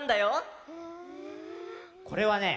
これはね